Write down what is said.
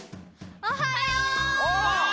おはよう！